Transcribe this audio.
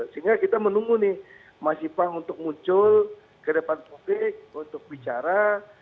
sehingga kita menunggu nih mas ipang untuk muncul ke depan publik untuk bicara